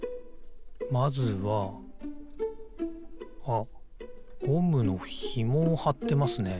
あっゴムのひもをはってますね。